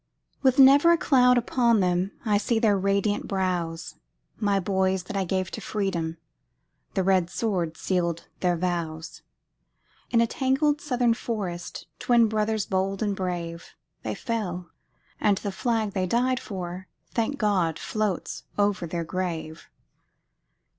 With never a cloud upon them, I see their radiant brows; My boys that I gave to freedom, The red sword sealed their vows! In a tangled Southern forest, Twin brothers bold and brave, They fell; and the flag they died for, Thank God! floats over their grave.